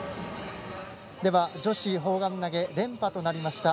女子砲丸投げ連覇となりました